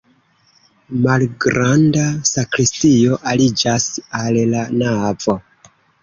Malgranda sakristio aliĝas al la navo.